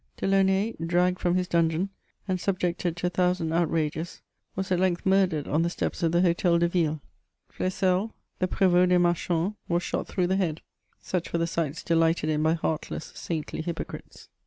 De Launay, dragged from his dungeon, and subjected to a thousand outrages, was at length murdered on the steps of the H6tel de Ville ; Fles selles, the />rev^^ des marchands^ was shot through the head — such were the sights delighted in .by heartless saintly hypocrites.